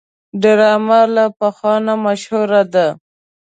ډرامه له پخوا نه مشهوره ده